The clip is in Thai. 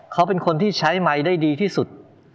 เขาเป็นคนที่ใช้ไมค์ได้ดีที่สุด